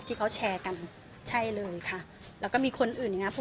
ที่เขาแชร์กันใช่เลยค่ะแล้วก็มีคนอื่นอย่างเงี้